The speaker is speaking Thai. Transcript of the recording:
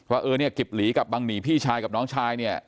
ว่าเออเนี่ยกิบหลีกับบังหนีพี่ชายกับน้องชายเนี่ย